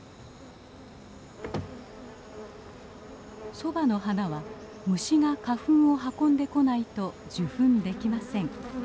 ソバの花は虫が花粉を運んでこないと受粉できません。